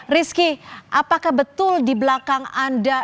rizky apakah betul di belakang anda